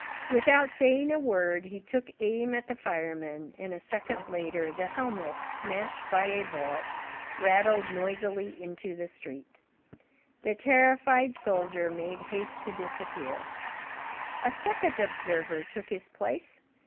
Without saying a word, he took aim at the fireman, and, a second later, the helmet, smashed by a bullet, rattled noisily into the street. The terrified soldier made haste to disappear. A second observer took his place.